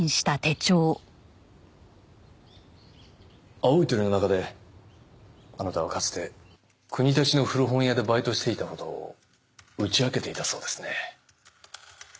青い鳥の中であなたはかつて国立の古本屋でバイトしていた事を打ち明けていたそうですね。